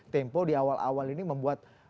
tempo di awal awal ini membuat